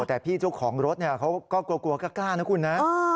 แต่พี่ทุกของรถเนี่ยเขากลัวกลัวกล้ากล้านะคุณนะ